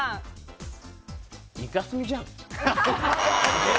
イカスミじゃん。